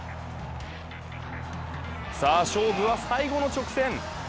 さあ、勝負は最後の直線。